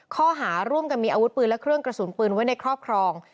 ข้อหาร่วมกันมีอาวุธปืนและเครื่องกระสุนปืนไว้ในครอบครอง